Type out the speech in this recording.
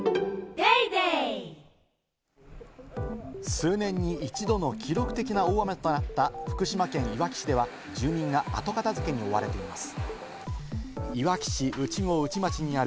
数年に一度の記録的な大雨となった福島県いわき市では住民が後片付けに追われています。